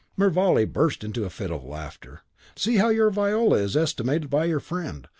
Mervale burst into a violent fit of laughter. "See how your Viola is estimated by your friend.